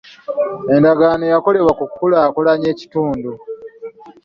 Endagaano yakolebwa okukulaakulanya ekitundu.